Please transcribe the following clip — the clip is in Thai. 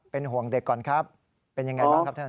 เป็นห่วงเด็กก่อนครับเป็นยังไงบ้างครับท่าน